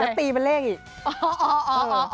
จะตีเป็นเลขอีก